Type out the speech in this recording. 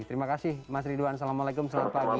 terima kasih mas ridwan assalamualaikum selamat pagi